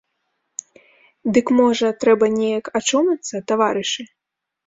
Дык можа трэба неяк ачомацца, таварышы?